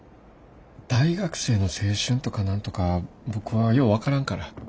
大学生の青春とか何とか僕はよう分からんから。